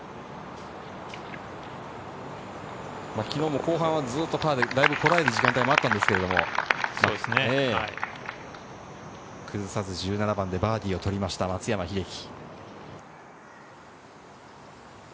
昨日も後半はずっとパーでだいぶこらえる時間帯だったんですけれど、崩さず１７番でバーディーを取りました松山英樹。